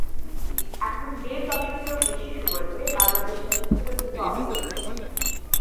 এখন দেড় দশকেরও বেশি সময় ধরে বাংলাদেশ তাকে ফেরত পেতে অপেক্ষা করছে।